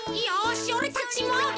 よしおれたちも。